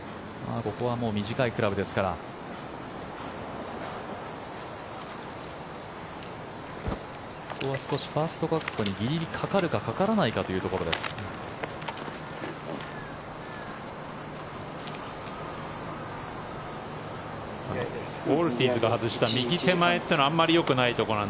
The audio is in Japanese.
ここは少しファーストカットにギリギリかかるかかからないかというところです。